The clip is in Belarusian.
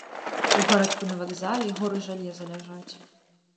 У гарадку на вакзале горы жалеза ляжаць.